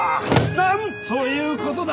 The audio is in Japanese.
なんという事だ！